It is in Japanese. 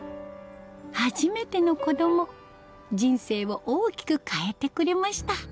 初めての子供人生を大きく変えてくれました